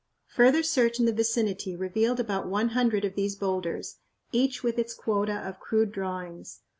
Further search in the vicinity revealed about one hundred of these boulders, each with its quota of crude drawings.